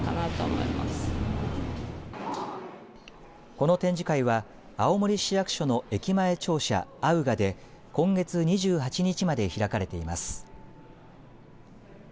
この展示会は青森市役所の駅前庁舎アウガで今月２８日まで開かれています。